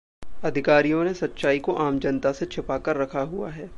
अधिकारियों ने सच्चाई को आम जनता से छिपा कर रखा हुआ है।